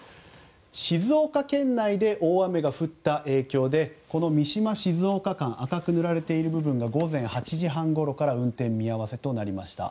静岡県内で大雨が降った影響でこの三島静岡間赤く塗られている部分が午前８時半ごろから運転見合わせとなりました。